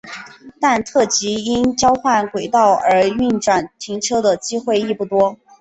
但特急因交换轨道而运转停车的机会亦不少。